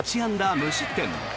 無失点。